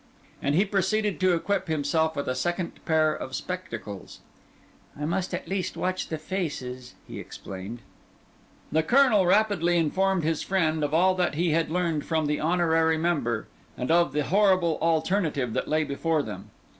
And he proceeded to equip himself with a second pair of spectacles. "I must at least watch the faces," he explained. The Colonel rapidly informed his friend of all that he had learned from the honorary member, and of the horrible alternative that lay before them.